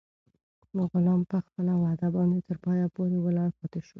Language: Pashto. غلام په خپله وعده باندې تر پایه پورې ولاړ پاتې شو.